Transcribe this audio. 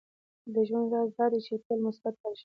• د ژوند راز دا دی چې تل مثبت پاتې شې.